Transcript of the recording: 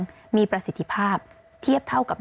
สิ่งที่ประชาชนอยากจะฟัง